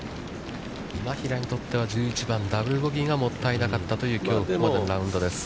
今平にとっては、１１番のダブル・ボギーがもったいなかったというきょうここまでのラウンドです。